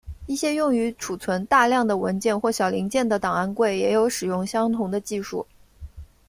一些用于储存大量的文件或小零件的档案柜也有使用相同的技术。